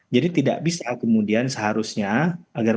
jadi tidak bisa kemudian seharusnya